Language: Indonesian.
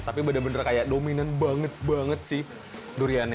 tapi bener bener kayak dominan banget banget sih duriannya